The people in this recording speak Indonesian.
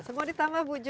semua ditambah bu jo